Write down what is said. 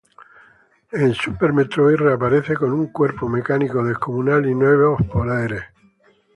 En "Super Metroid" reaparece con un cuerpo mecánico descomunal y nuevos poderes.